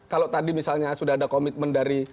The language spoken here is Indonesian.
kalau tadi misalnya sudah ada komitmen dari